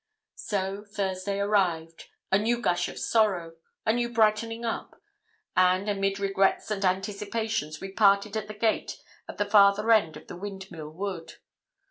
So Thursday arrived a new gush of sorrow a new brightening up and, amid regrets and anticipations, we parted at the gate at the farther end of the Windmill Wood.